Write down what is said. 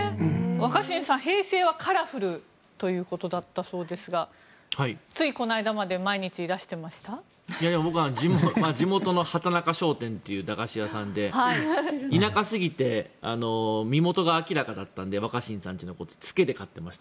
若新さん、平成はカラフルということだったそうですがついこの間まで僕は地元のハタナカ商店という駄菓子屋さんで田舎すぎて身元が明らかだったので若新さんちの子って。